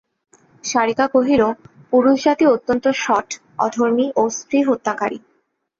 শারিকা কহিল, পুরুষজাতি অত্যন্ত শঠ, অধর্মী ও স্ত্রীহত্যাকারী।